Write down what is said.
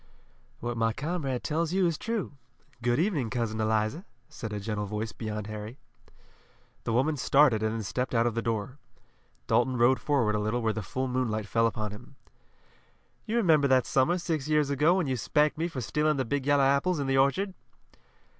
"What my comrade tells you is true. Good evening, Cousin Eliza!" said a gentle voice beyond Harry. The woman started and then stepped out of the door. Dalton rode forward a little where the full moonlight fell upon him. "You remember that summer six years ago when you spanked me for stealing the big yellow apples in the orchard."